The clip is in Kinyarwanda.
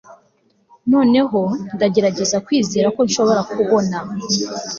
noneho ndagerageza kwizera ko nshobora kubona